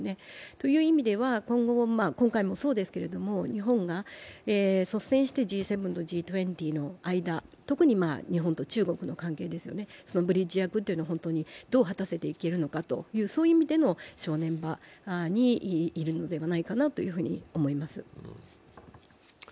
そういう意味では今回もそうですけども、日本が率先してＧ７とＧ２０の間、特に日本と中国の関係ですよね、ブリッジ役をどう果たせていくのか、そういう意味での正念場にいるのではないかなと思います。